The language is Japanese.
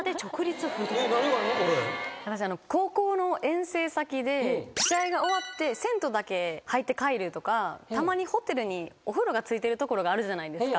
高校の遠征先で試合が終わって銭湯だけ入って帰るとかたまにホテルにお風呂がついてるところがあるじゃないですか。